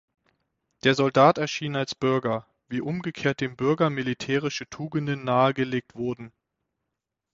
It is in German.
Der Soldat erschien als Bürger, wie umgekehrt dem Bürger militärische Tugenden nahegelegt wurden.